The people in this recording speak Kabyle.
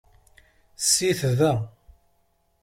Sit da.